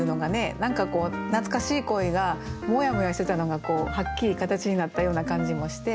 何か懐かしい恋がもやもやしてたのがはっきり形になったような感じもして。